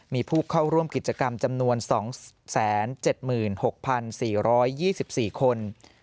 มีผู้เข้าร่วมกิจกรรมจำนวน๒๗๖๔๒๔คน